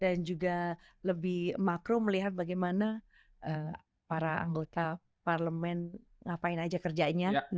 dan juga lebih makro melihat bagaimana para anggota parlemen ngapain aja kerjanya